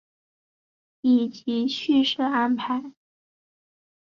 以及叙事安排